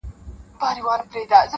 ژونده ټول غزل عزل ټپې ټپې سه,